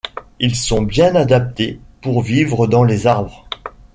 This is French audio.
Ils sont bien adaptés pour vivre dans les arbres.